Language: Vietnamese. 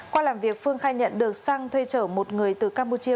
qua làm việc phương khai nhận được sang thuê chở một người từ campuchia